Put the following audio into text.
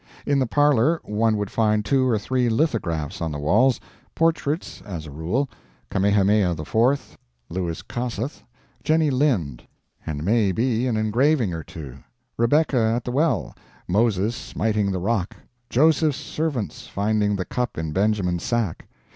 In the parlor one would find two or three lithographs on the walls portraits as a rule: Kamehameha IV., Louis Kossuth, Jenny Lind; and may be an engraving or two: Rebecca at the Well, Moses smiting the rock, Joseph's servants finding the cup in Benjamin's sack.